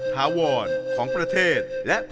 นรรวรณของประเทศ